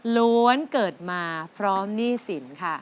ล้วนเกิดมาพร้อมหนี้สินค่ะ